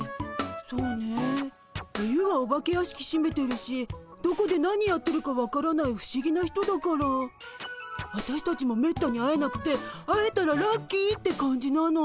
そうね冬はお化け屋敷しめてるしどこで何やってるか分からない不思議な人だからあたしたちもめったに会えなくて会えたらラッキーって感じなの。